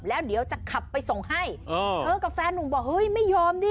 แล้วเดี๋ยวจะขับไปส่งให้เธอกับแฟนหนุ่มบอกเฮ้ยไม่ยอมดิ